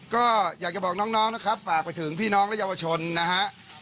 ก็อยากจะบอกน้องนะครับฝากไปถึงพี่น้องและเยาวชนนะฮะ